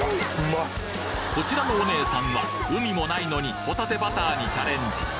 こちらのお姉さんは海もないのにホタテバターにチャレンジ